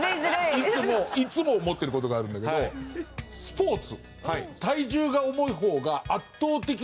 いつもいつも思ってる事があるんだけどスポーツ。